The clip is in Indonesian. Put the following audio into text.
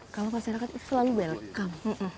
kalau masyarakat itu selalu welcome